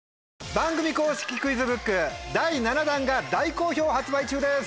番組公式クイズブック第７弾が大好評発売中です！